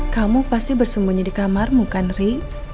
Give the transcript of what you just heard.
kamu pasti bersembunyi di kamar bukan ri